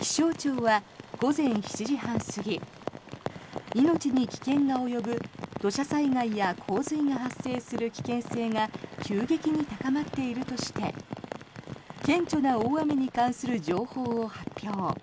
気象庁は午前７時半過ぎ命に危険が及ぶ土砂災害や洪水が発生する危険性が急激に高まっているとして顕著な大雨に関する情報を発表。